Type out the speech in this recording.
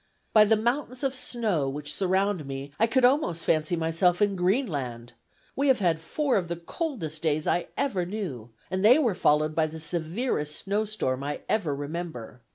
By the mountains of snow which surround me, I could almost fancy myself in Greenland. We have had four of the coldest days I ever knew, and they were followed by the severest snow storm I ever remember.